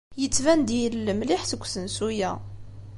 Yettban-d yilel mliḥ seg usensu-a.